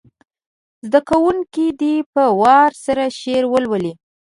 زده کوونکي دې په وار سره شعر ولولي.